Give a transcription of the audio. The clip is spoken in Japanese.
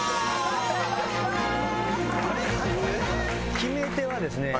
決め手はですね